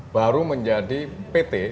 baru menjadi pt